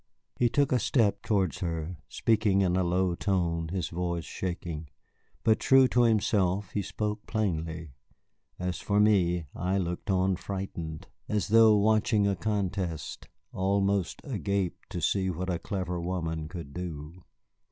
He took a step toward her, speaking in a low tone, his voice shaking. But, true to himself, he spoke plainly. As for me, I looked on frightened, as though watching a contest, almost agape to see what a clever woman could do.